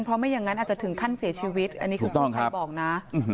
เพราะไม่อย่างนั้นอาจจะถึงขั้นเสียชีวิตอันนี้คุณกู้ภัยบอกนะ